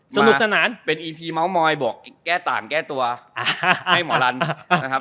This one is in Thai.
สนุกสนานเป็นอีพีเมาส์มอยบอกแก้ต่างแก้ตัวให้หมอลันนะครับ